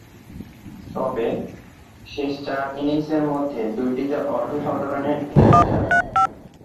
তবে, শেষ চার ইনিংসের মধ্যে দুইটিতে অর্ধ-শতরানের ইনিংস খেলেন।